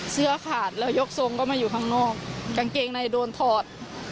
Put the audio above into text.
เสื้อขาดแล้วยกทรงก็มาอยู่ข้างนอกกางเกงในโดนถอด